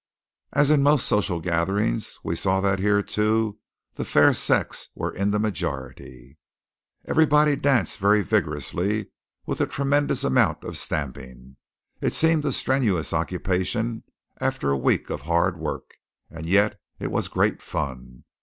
As in most social gatherings, we saw that here too the fair sex were in the majority. Everybody danced very vigorously, with a tremendous amount of stamping. It seemed a strenuous occupation after a week of hard work, and yet it was great fun.